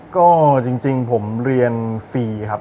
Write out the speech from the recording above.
ก็จริงผมเรียนฟรีครับ